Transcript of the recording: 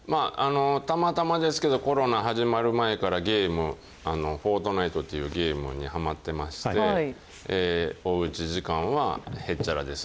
たまたまですけど、コロナ始まる前からゲーム、ポートナイトっていうゲームにはまってまして、おうち時間はへっちゃらです。